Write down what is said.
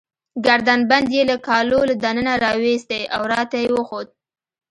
ګردن بند يې له کالو له دننه راوایستی، او راته يې وښود.